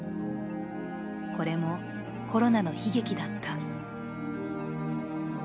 これもコロナの悲劇だった。